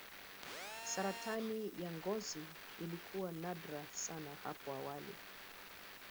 saratani ya ngozi ilikuwa nadra sana hapo awali